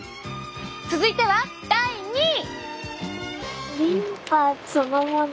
続いては第２位！